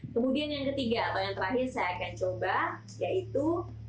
kemudian yang ketiga atau yang terakhir saya akan coba yaitu